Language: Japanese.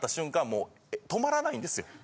もう止まらないんですよ。